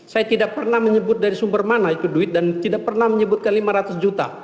saya tidak pernah menyebut dari sumber mana itu duit dan tidak pernah menyebutkan lima ratus juta